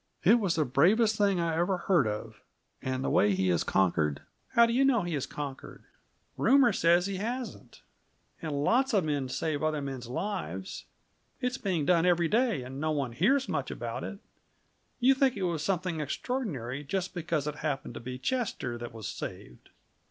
It was the bravest thing I ever heard of! And the way he has conquered ?" "How do you know he has conquered? Rumor says he hasn't. And lots of men save other men's lives; it's being done every day, and no one hears much about it. You think it was something extraordinary, just because it happened to be Chester that was saved.